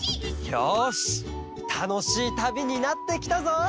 よしたのしいたびになってきたぞ！